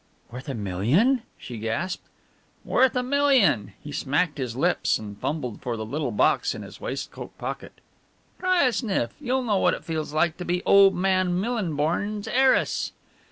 "Worth a million?" she gasped. "Worth a million." He smacked his lips and fumbled for the little box in his waistcoat pocket. "Try a sniff you'll know what it feels like to be old man Millinborn's heiress."